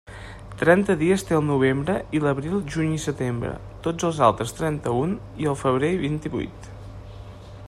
Trenta dies té el novembre, i l'abril, juny i setembre; tots els altres trenta-un i el febrer vint-i-vuit.